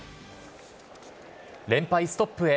連敗ストップへ。